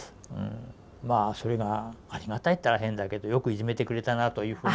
まあそれがありがたいったら変だけどよくいじめてくれたなというふうに思うんですけど。